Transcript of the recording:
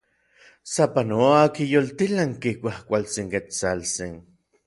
Sapanoa okiyoltilanki kuajkuaktsin Ketsaltsin.